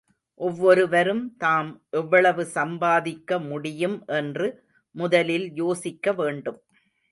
ஒவ்வொருவரும் தாம் எவ்வளவு சம் பாதிக்க முடியும் என்று முதலில் யோசிக்க வேண்டும்.